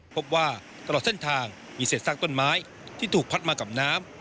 พบว่าตลอดเส้นทางมีเศษซากต้นไม้ที่ถูกพัดมากับน้ำ